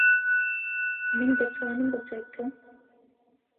من دەتوانم بۆ تۆی بکەم.